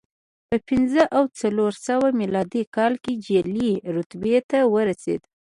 په پنځه او څلور سوه میلادي کال کې جالۍ رتبې ته ورسېد